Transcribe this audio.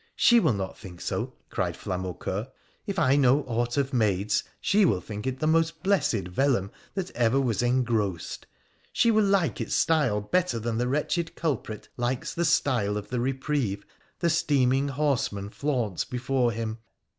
' She will not think so,' cried Flamaucceur. ' If I know aught of maids, she will think it the most blessed vellum that ever was engrossed, she will like its style better than the wretched culprit likes the style of the reprieve the steaming horseman flaunts before him.